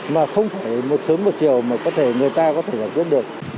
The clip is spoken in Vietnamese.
mà không phải một sớm một chiều mà người ta có thể giải quyết được